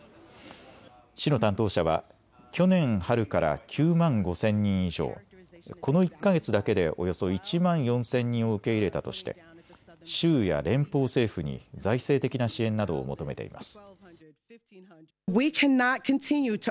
市の担当者は去年春から９万５０００人以上、この１か月だけでおよそ１万４０００人を受け入れたとして州や連邦政府に財政的な支援などを求めています。